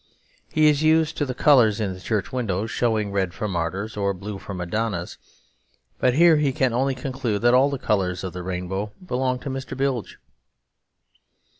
He is used to the colours in church windows showing red for martyrs or blue for madonnas; but here he can only conclude that all the colours of the rainbow belong to Mr. Bilge.